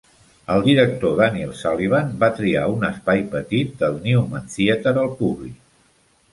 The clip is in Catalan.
El director Daniel Sullivan va triar un espai petit del Newman Theater al Public.